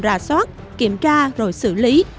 rà soát kiểm tra rồi xử lý